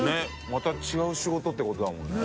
また違う仕事ってことだもんね。